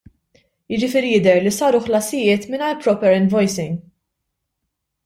Jiġifieri jidher li saru ħlasijiet mingħajr proper invoicing.